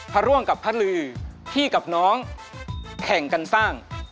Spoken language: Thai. พระร่วงกับพระลือพี่กับน้องแข่งกันสร้าง